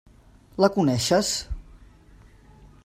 La coneixes?